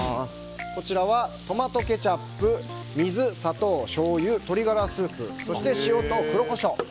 こちらは、トマトケチャップ水、砂糖、しょうゆ鶏ガラスープ、塩と黒コショウ